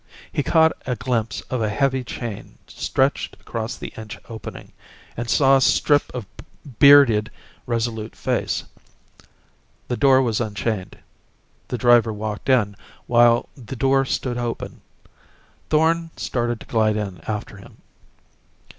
He caught a glimpse of a heavy chain stretched across the inch opening, and saw a strip of bearded, resolute face. The door was unchained. The driver walked in, while the door stood open. Thorn started to glide in after him....